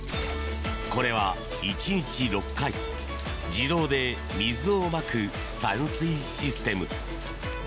これは１日６回自動で水をまく散水システム。